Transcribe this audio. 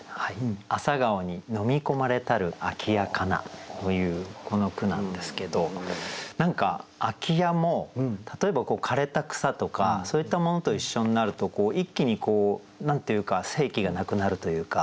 「朝顔に呑みこまれたる空家かな」というこの句なんですけど何か空家も例えば枯れた草とかそういったものと一緒になると一気にこう何て言うか生気がなくなるというか。